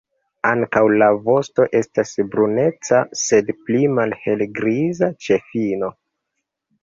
Ankaŭ la vosto estas bruneca, sed pli malhelgriza ĉe fino.